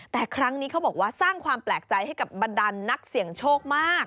แต่ครั้งนี้เขาบอกว่าสร้างความแปลกใจให้กับบรรดานนักเสี่ยงโชคมาก